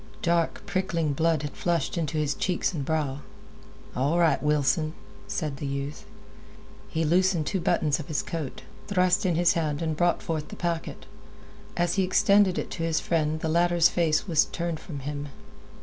Dark, prickling blood had flushed into his cheeks and brow. "All right, Wilson," said the youth. He loosened two buttons of his coat, thrust in his hand, and brought forth the packet. As he extended it to his friend the latter's face was turned from him.